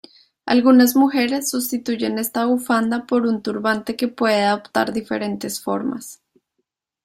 Algunas mujeres sustituyen esta bufanda por un turbante que puede adoptar diferentes formas.